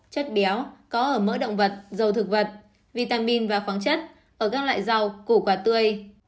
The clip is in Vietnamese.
chất béo có ở mỡ động vật dầu thực vật vitamin và khoáng chất ở các loại rau củ quả tươi